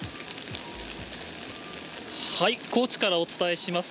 高知からお伝えします。